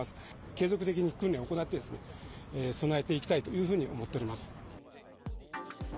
継続的に訓練を行って、備えていきたいというふうに思っております。